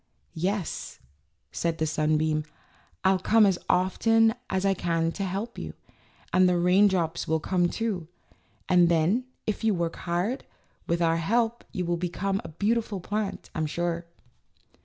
"Yes," said the sunbeam, "I'll come as often as I can to help you, and the raindrops will come too; and then, if you work hard, with our help you will become a beautiful plant, I'm sure."